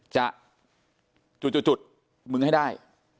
จะมึงให้ได้